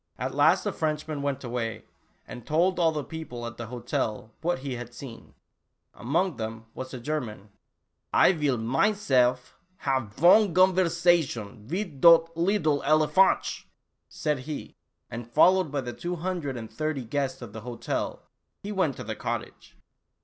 At last the Frenchman went away, and told all the people at the hotel what he had seen. Among them was a German. " I vill minezelf haf von o^onverzazhuns mit dot leedle elephantchen," said he, and followed by the two hundred and thirty guests of the hotel, he went to the cottage.